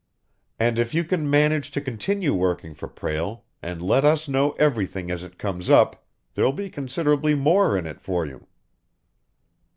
"And if you can manage to continue working for Prale, and let us know everything as it comes up, there'll be considerably more in it for you."